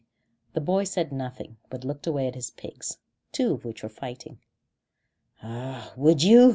The boy said nothing, but looked away at his pigs, two of which were fighting. "Ah, would you?"